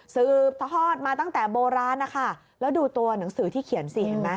สืบทอดมาตั้งแต่โบราณนะคะแล้วดูตัวหนังสือที่เขียนสิเห็นไหม